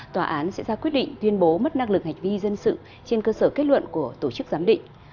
tòa án sẽ ra quyết định tuyên bố mất năng lực hành vi dân sự trên cơ sở kết luận của tổ chức giám định